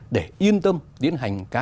để yên tâm diễn hành các